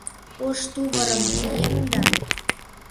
Ош тувырым чием да.